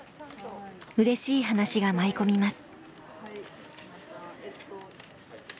うれしい話が舞い込みます。